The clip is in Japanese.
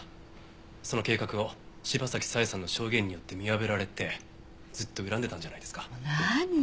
その計画を柴崎佐江さんの証言によって見破られてずっと恨んでたんじゃないですか？